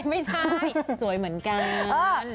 ไม่ใช่สวยเหมือนกัน